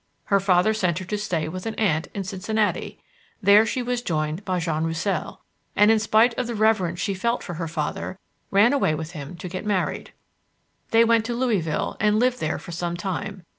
Her father sent her to stay with an aunt in Cincinnati. There she was joined by Jean Roussel and, in spite of the reverence she felt for her father, ran away with him to get married. They went to Louisville and lived there for some time.